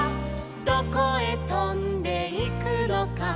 「どこへとんでいくのか」